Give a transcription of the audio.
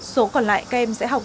số còn lại các em sẽ học